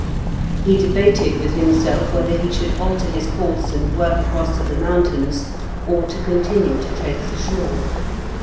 He debated with himself whether he should alter his course and work across to the mountains, or to continue to trace the shore.